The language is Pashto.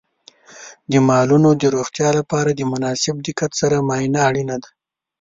د مالونو د روغتیا لپاره د مناسب دقت سره معاینه اړینه ده.